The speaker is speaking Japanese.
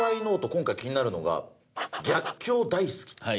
今回気になるのが、逆境大好き。